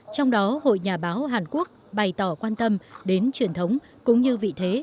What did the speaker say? trong đó hội nhà báo hàn quốc bày tỏ quan tâm đến truyền thống cũng như vị thế